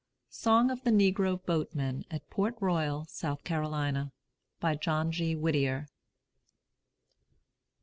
SONG OF THE NEGRO BOATMEN AT PORT ROYAL, S. C. BY JOHN G. WHITTIER.